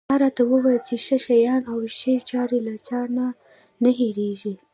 تا راته وویل چې ښه شیان او ښې چارې له چا نه نه هېرېږي.